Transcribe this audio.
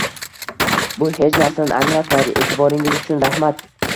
Bu hech narsani anglatmaydi, e'tiboringiz uchun rahmat!